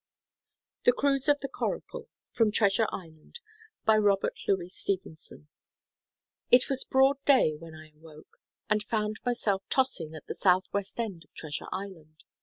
THE CRUISE OF THE CORACLE (From Treasure Island.) By ROBERT LOUIS STEVENSON. It was broad day when I awoke, and found myself tossing at the southwest end of Treasure Island.